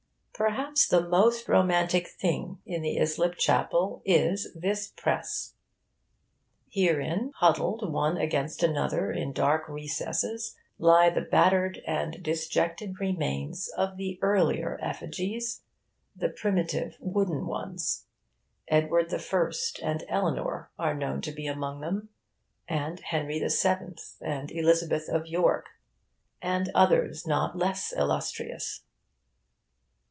Perhaps the most romantic thing in the Islip Chapel is this press. Herein, huddled one against another in dark recesses, lie the battered and disjected remains of the earlier effigies the primitive wooden ones. Edward I. and Eleanor are known to be among them; and Henry VII. and Elizabeth of York; and others not less illustrious.